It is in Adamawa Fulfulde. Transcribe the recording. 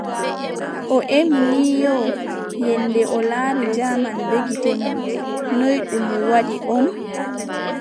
O ƴemi ni yo, yennde o laari jaman bee gite mon ,noy ɗum waɗi on ?